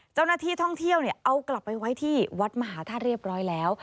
เจ้าหน้าที่ท่องเที่ยวเอากลับไปไว้ที่วัดมหาธาตุเรียบร้อยแล้ว